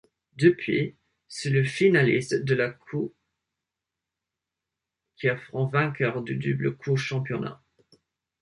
Depuis, c'est le finaliste de la Coupe qui affronte le vainqueur du doublé Coupe-Championnat.